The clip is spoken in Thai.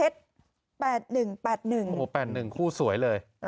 โอ้โห๘๑คู่สวยเลย